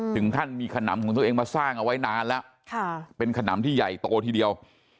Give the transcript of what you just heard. ถึงขั้นมีขนำของตัวเองมาสร้างเอาไว้นานแล้วเป็นขนำที่ใหญ่โตทีเดียว